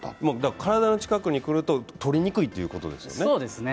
体の近くに来ると、とりにくいということですよね？